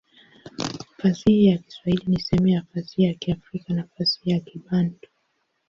Fasihi ya Kiswahili ni sehemu ya fasihi ya Kiafrika na fasihi ya Kibantu.